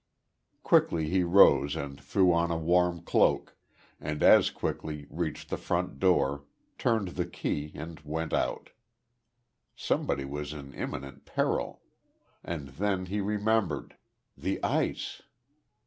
Quickly he rose and threw on a warm cloak, and as quickly reached the front door, turned the key, and went out. Somebody was in imminent peril and then he remembered. The ice!